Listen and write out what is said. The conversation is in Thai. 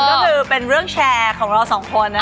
ก็คือเป็นเรื่องแชร์ของเราสองคน